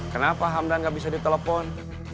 kenapa hamdan nggak bisa ditelepon